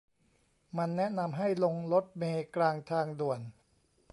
มันแนะนำให้ลงรถเมล์กลางทางด่วน